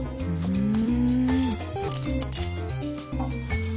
うん！